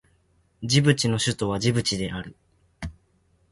ジブチの首都はジブチである